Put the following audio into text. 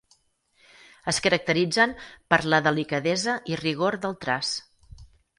Es caracteritzen per la delicadesa i rigor del traç.